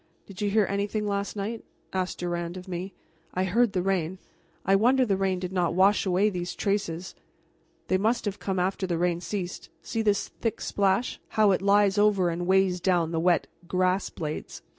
"Did you hear anything last night?" asked Durand of me. "I heard the rain. I wonder the rain did not wash away these traces." "They must have come after the rain ceased. See this thick splash, how it lies over and weighs down the wet grass blades.